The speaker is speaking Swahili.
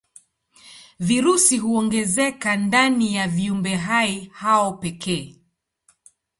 Virusi huongezeka ndani ya viumbehai hao pekee.